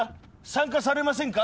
参加されませんか？